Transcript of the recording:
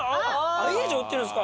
アヒージョ売ってるんですか。